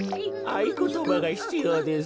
あいことばがひつようです。